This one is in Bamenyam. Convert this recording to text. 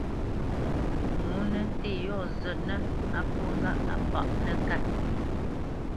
Ŋo nə́ ntê yɔ̂ zətnə́ á pwô ŋgâʼ a páʼ nəkât.